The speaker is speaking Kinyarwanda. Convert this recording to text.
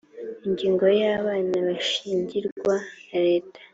ingingo ya abana bishingirwa na leta